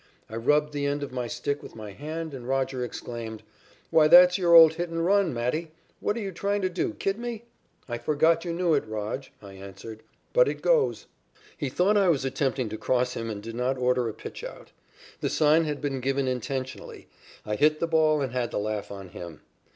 I rubbed the end of my stick with my hand and Roger exclaimed: "Why, that's your old hit and run, Matty! What are you trying to do, kid me?" "I forgot you knew it, Rog," I answered, "but it goes." He thought I was attempting to cross him and did not order a pitchout. The sign had been given intentionally. I hit the ball and had the laugh on him.